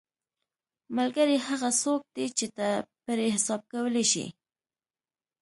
ملګری هغه څوک دی چې ته پرې حساب کولی شې.